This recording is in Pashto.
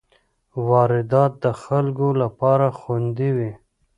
واردات د خلکو لپاره خوندي وي.